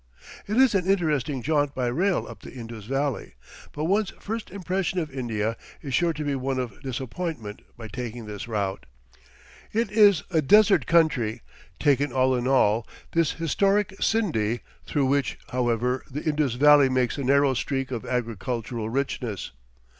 It is an interesting jaunt by rail up the Indus Valley; but one's first impression of India is sure to be one of disappointment by taking this route. It is a desert country, taken all in all, this historic Scinde; through which, however, the Indus Valley makes a narrow streak of agricultural richness.